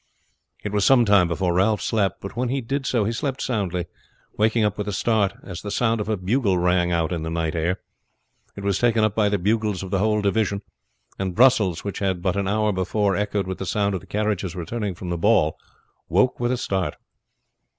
It was some time before Ralph slept, but when he did so he slept soundly, waking up with a start as the sound of a bugle rang out in the night air. It was taken up by the bugles of the whole division, and Brussels, which had but an hour before echoed with the sound of the carriages returning from the ball, woke with a start.